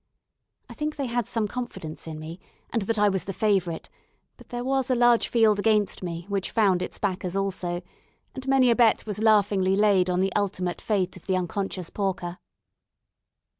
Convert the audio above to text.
I think they had some confidence in me, and that I was the favourite; but there was a large field against me, which found its backers also; and many a bet was laughingly laid on the ultimate fate of the unconscious porker.